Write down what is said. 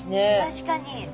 確かに。